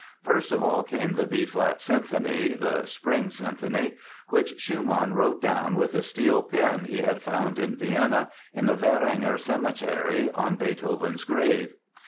First of all came the B flat Symphony—the "Spring" Symphony—which Schumann wrote down with a steel pen he had found in Vienna in the Währinger Cemetery, on Beethoven's grave.